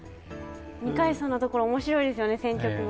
二階さんのところ面白いですよね。